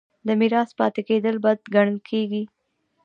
د میرات پاتې کیدل بد ګڼل کیږي.